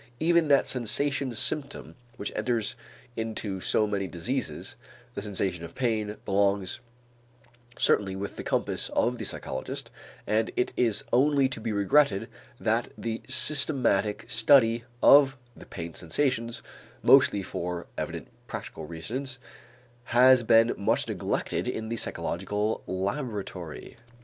Even that sensation symptom which enters into so many diseases, the sensation of pain, belongs certainly within the compass of the psychologist and it is only to be regretted that the systematic study of the pain sensations, mostly for evident practical reasons, has been much neglected in the psychological laboratory.